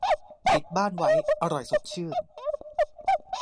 ติดบ้านไว้อร่อยสดชื่น